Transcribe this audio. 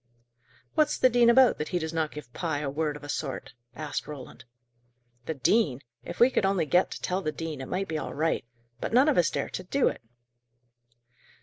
"What's the dean about, that he does not give Pye a word of a sort?" asked Roland. "The dean! If we could only get to tell the dean, it might be all right. But none of us dare do it."